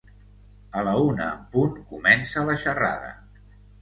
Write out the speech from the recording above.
A la una en punt comença la xerrada.